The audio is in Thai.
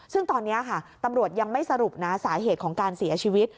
ซึ่งตอนนี้ค่ะตำรวจยังไม่สรุปนะสาเหตุของการเสียชีวิต